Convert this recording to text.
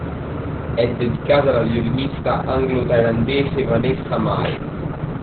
È dedicato alla violinista anglo-thailandese Vanessa Mae.